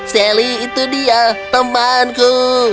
sally itu dia temanku